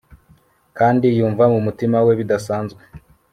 kandi yumva mumutima we bidasanzwe